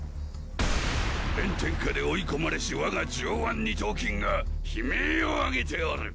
炎天下で追いこまれしわが上腕二頭筋が悲鳴を上げておる！